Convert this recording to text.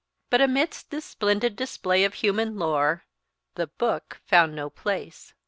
But amidst this splendid display of human lore, THE BOOK found no place.